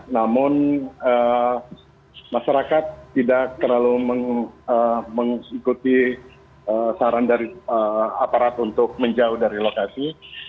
namun masyarakat tidak terlalu mengikuti saran dari aparat untuk menjauh dari lokasi